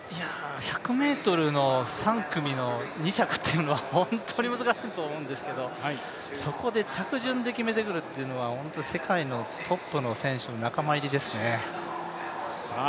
１００ｍの３組の２着というのは本当に難しいと思うんですけれども、そこで着順で決めてくるというのは世界のトップの選手の仲間入りですね。